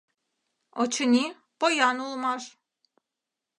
Очыни, поян улмаш.